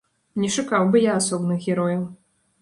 Не шукаў бы я асобных герояў.